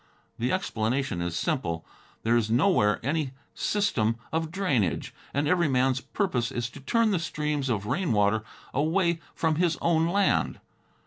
The explanation is simple. There is nowhere any system of drainage, and every man's purpose is to turn the streams of rain water away from his own land.